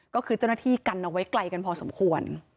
ก็คือเจ้าหน้าที่กันเอาไว้ไกลกันพอสมควร